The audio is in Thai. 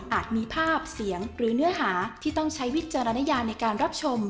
มีภาพเสียงหรือเนื้อหาที่ต้องใช้วิจารณญาในการรับชม